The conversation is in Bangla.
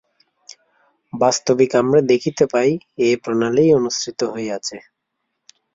বাস্তবিক আমরা দেখিতে পাই, এই প্রণালীই অনুসৃত হইয়াছে।